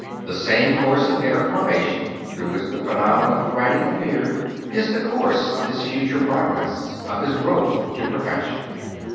The same course of inner formation through which the phenomenon of writing appeared is the course of his future progress, of his growth to perfection.